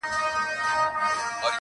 چي زموږ پر خاوره یرغلونه کیږي!.